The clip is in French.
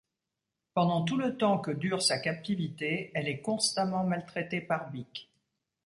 Pendant tout le temps que dure sa captivité, elle est constamment maltraitée par Bic.